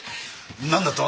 何だと？